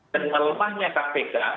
dengan lemahnya kpk